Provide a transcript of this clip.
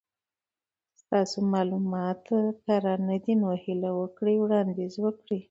ستاسو مالومات کره ندي نو هیله وکړئ وړاندیز وکړئ